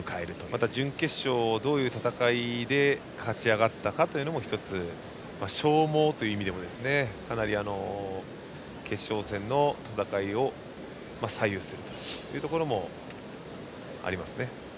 また準決勝どういう戦いで勝ち上がったかというのも１つ、消耗という意味でも決勝戦の戦いを左右するところもありますね。